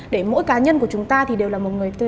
để mỗi cá nhân của chúng ta thì đều là một người